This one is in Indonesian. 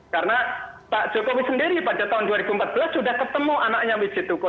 karena pak jokowi sendiri pada tahun dua ribu empat belas sudah ketemu anaknya wiji tuko